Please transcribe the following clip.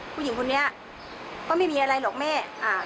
ผู้หญิงคนนี้ก็ไม่มีอะไรหรอกแม่อ่า